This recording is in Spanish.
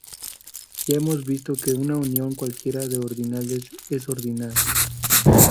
Ya hemos visto que una unión cualquiera de ordinales es un ordinal.